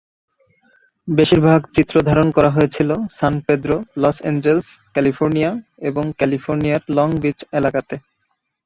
বেশিরভাগ চিত্রধারণ করা হয়েছিল San Pedro, Los Angeles, California এবং ক্যালিফোর্নিয়ার লং বীচ এলাকাতে।